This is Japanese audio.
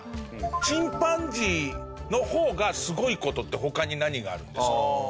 チンパンジーの方がすごい事って他に何があるんですか？